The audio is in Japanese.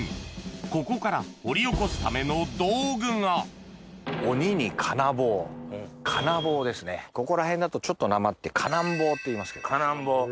ここから掘り起こすための道具がここら辺だとちょっと訛って「かなん棒」って言いますけど。